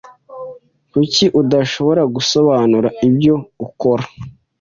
Kuki udashobora gusobanura ibyo ukora?